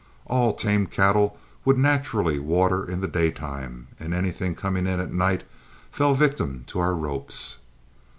All tame cattle would naturally water in the daytime, and anything coming in at night fell a victim to our ropes.